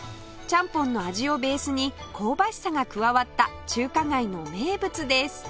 ちゃんぽんの味をベースに香ばしさが加わった中華街の名物です